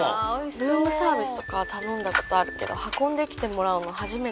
ルームサービスとか頼んだ事あるけど運んできてもらうの初めて。